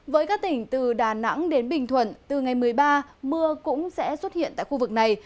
với các tỉnh từ đà nẵng đến bình thuận từ ngày một mươi ba mưa cũng sẽ xuất hiện tại khu vực này